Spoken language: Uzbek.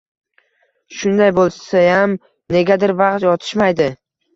Shunday bo‘lsayam, negadir vaqt yetishmaydi.